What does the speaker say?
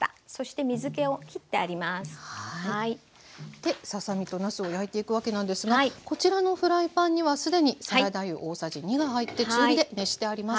でささ身となすを焼いていくわけなんですがこちらのフライパンには既にサラダ油大さじ２が入って中火で熱してあります。